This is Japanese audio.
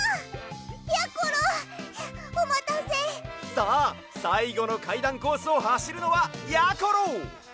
さあさいごのかいだんコースをはしるのはやころ！